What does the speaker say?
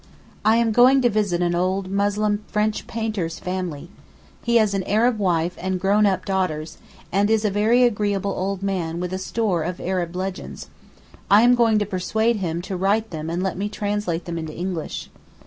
I am going to visit an old Muslim French painter's family. He has an Arab wife and grown up daughters, and is a very agreeable old man with a store of Arab legends; I am going to persuade him to write them and let me translate them into English.